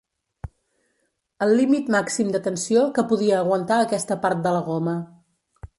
El límit màxim de tensió que podia aguantar aquesta part de la goma.